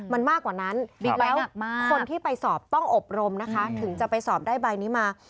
มันมากกว่านั้นบิ๊กไบท์คนที่ไปสอบต้องอบรมนะคะถึงจะไปสอบได้ใบนี้มา